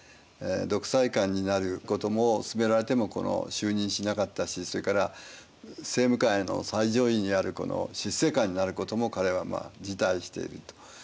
独裁官になることもすすめられても就任しなかったしそれから政務官の最上位にあるこの執政官になることも彼は辞退していると。